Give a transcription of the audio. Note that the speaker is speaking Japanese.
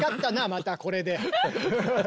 またこれで。